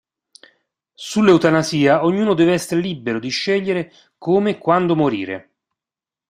Sull'eutanasia ognuno deve essere libero di scegliere come e quando morire.